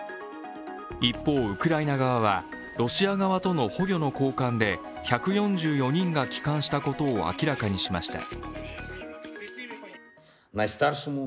一方、ウクライナ側は、ロシア側との捕虜の交換で１４４人が帰還したことを明らかにしました。